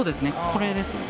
これですね。